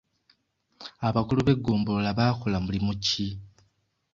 Abakulu b'eggombolola bakola mulimu ki?